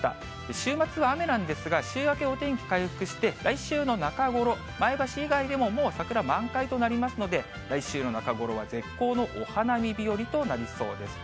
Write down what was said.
週末は雨なんですが、週明けお天気回復して、来週の中頃、前橋以外でももう桜、満開となりますので、来週の中頃は絶好のお花見日和となりそうです。